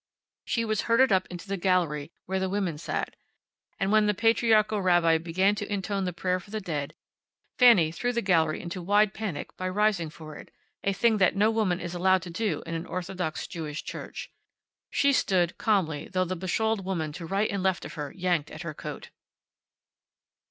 She was herded up in the gallery, where the women sat. And when the patriarchal rabbi began to intone the prayer for the dead Fanny threw the gallery into wild panic by rising for it a thing that no woman is allowed to do in an orthodox Jewish church. She stood, calmly, though the beshawled women to right and left of her yanked at her coat.